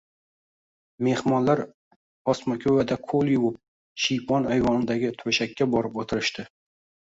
Mehmonlar osmako‘vada qo‘l yuvib, shiypon ayvonidagi to‘shakka borib o‘tirishdi